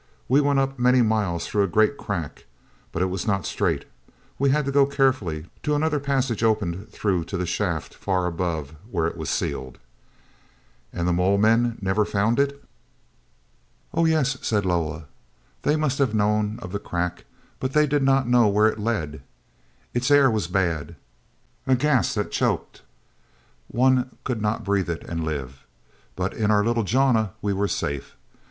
We went up many miles through a great crack, but it was not straight; we had to go carefully till another passage opened through to the shaft far above where it was sealed." "And the mole men never found it?" "Oh, yes," said Loah, "they must have known of the crack, but they did not know where it led. Its air was bad—a gas that choked; one could not breathe it and live. But in our little jana we were safe.